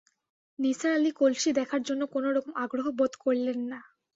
নিসার আলি কলসি দেখার জন্যে কোনো রকম আগ্রহ বোধ করলেন না।